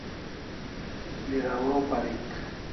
Bira waw parik